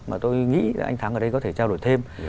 mà tôi nghĩ anh thắng ở đây có thể trao đổi thêm